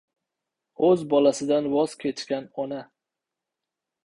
O‘z bolasidan voz kechgan "ona"